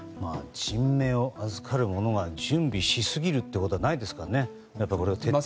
人命を預かる者が準備しすぎるということはないですからね。